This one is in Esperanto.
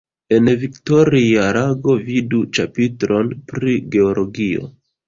En Viktoria lago vidu ĉapitron pri Geologio.